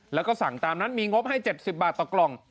แล้วก็สั่งตามนั้นมีงบให้๗๐บาทต่อกล่อง